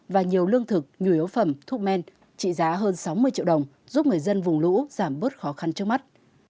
và nhiều lương thực nhu yếu phẩm thuốc men trị giá hơn sáu mươi triệu đồng giúp người dân vùng lũ giảm bớt khó khăn trước mắt